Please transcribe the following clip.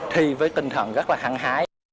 thì với tinh thần rất là hẳn hái